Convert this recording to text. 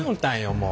もう。